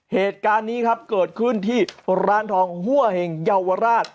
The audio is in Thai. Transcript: เหตุการณ์นี้ครับเกิดขึ้นที่ร้านทองหัวเห็งเยาวราช